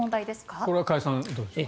これは加谷さんどうでしょうか。